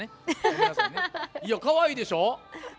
かわいいでしょ？